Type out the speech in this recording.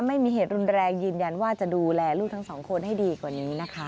ไม่มีเหตุรุนแรงยืนยันว่าจะดูแลลูกทั้งสองคนให้ดีกว่านี้นะคะ